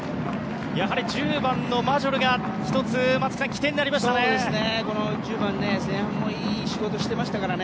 やはり１０番のマジョルが１つ起点になりましたね。